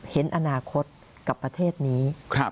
เห็นอนาคตกับประเทศนี้